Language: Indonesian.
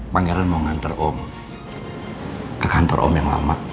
pangeran mau ngantar om ke kantor om yang lama